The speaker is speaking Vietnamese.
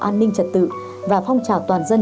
an ninh trật tự và phong trào toàn dân